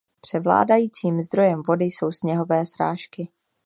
Převládajícím zdrojem vody jsou sněhové srážky.